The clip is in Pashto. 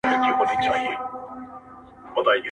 ه یاره دا زه څه اورمه، څه وینمه,